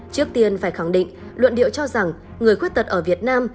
trước tiên phải khẳng định luận điệu cho rằng người khuyết tật ở việt nam